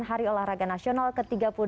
hari olahraga nasional ke tiga puluh delapan